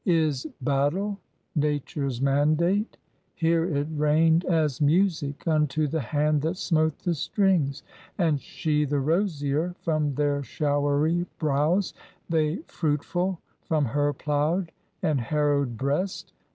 Is battle nature's mandate, here it reigned, As music unto the hand that smote the strings; And she the rosier from their showery brows, They fruitful from her ploughed and harrowed breast.